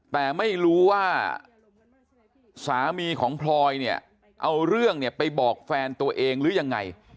แต่ไม่รู้ว่าสามีของพลอยเนี่ยเอาเรื่องเนี่ยไปบอกแฟนตัวเองหรือยังไง